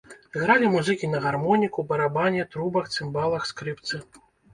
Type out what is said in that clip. Гралі музыкі на гармоніку, барабане, трубах, цымбалах, скрыпцы.